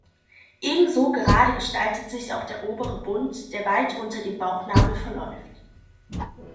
Ebenso gerade gestaltet sich auch der obere Bund, der weit unter dem Bauchnabel verläuft.